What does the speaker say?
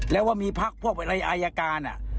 แล้วว่ามีพักพวกอะไรอายการ